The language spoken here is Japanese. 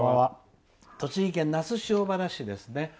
栃木県那須塩原市ですね。